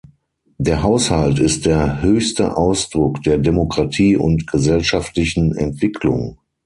Der Haushalt ist der höchste Ausdruck der Demokratie und gesellschaftlichen Entwicklung.